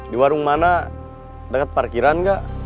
di warung mana dekat parkiran nggak